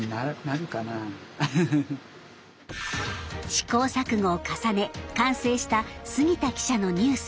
試行錯誤を重ね完成した杉田記者のニュース。